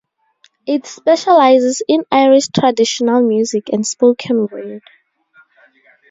It specialises in Irish traditional music and spoken word.